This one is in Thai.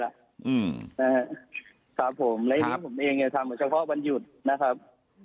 และอย่างเนี้ยผมเองทำเฉพาะวันหยุดนะครับ